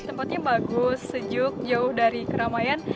tempatnya bagus sejuk jauh dari keramaian